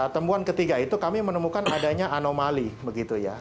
temuan ketiga itu kami menemukan adanya anomali begitu ya